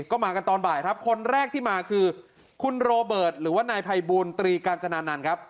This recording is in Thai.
ก็มากันตอนบ่ายครับคนแรกที่มาคือคุณโรเบิร์ตหรือว่านายภัยบูลตรีกาญจนานันต์ครับ